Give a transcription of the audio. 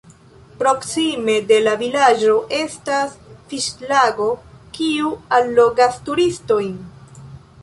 Proksime de la vilaĝo estas fiŝlago, kiu allogas turistojn.